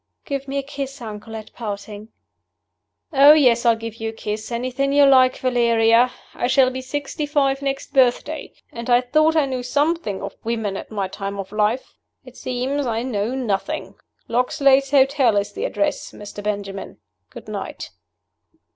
"Give me a kiss, uncle, at parting." "Oh yes, I'll give you a kiss. Anything you like, Valeria. I shall be sixty five next birthday; and I thought I knew something of women, at my time of life. It seems I know nothing. Loxley's Hotel is the address, Mr. Benjamin. Good night."